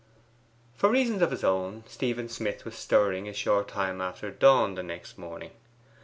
For reasons of his own, Stephen Smith was stirring a short time after dawn the next morning.